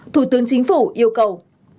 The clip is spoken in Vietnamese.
thủ tướng chính phủ yêu cầu